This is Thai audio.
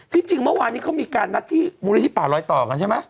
จริงเมื่อวานนี้เขามีการนัดที่มูลนิธิป่าลอยต่อกันใช่ไหม